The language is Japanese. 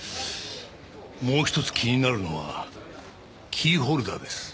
もう一つ気になるのはキーホルダーです。